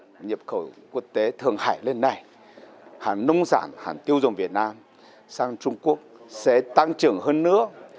nếu mà nhập khẩu quốc tế thượng hải lên này hàng nông sản hàng tiêu dùng việt nam sang trung quốc sẽ tăng trưởng hơn nữa